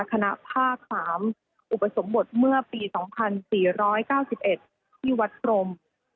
คณะภาค๓อุปสมบทเมื่อปี๒๔๙๑ที่วัดพรม